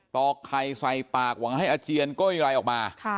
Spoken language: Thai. ต่อไข่ใส่ปากหวังให้อเจียนก็ไม่มีอะไรออกมา